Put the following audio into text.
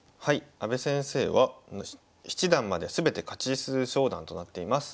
阿部先生は七段まで全て勝ち数昇段となっています。